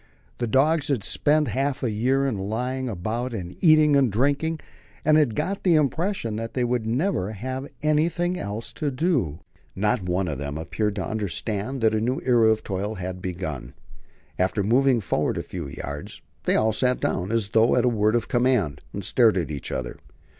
The dogs had spent half a year in lying about and eating and drinking, and had got the impression that they would never have anything else to do. Not one of them appeared to understand that a new era of toil had begun. After moving forward a few yards, they all sat down, as though at a word of command, and stared at each other.